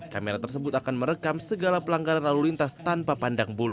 kamera tersebut akan merekam segala pelanggaran lalu lintas tanpa pandang bulu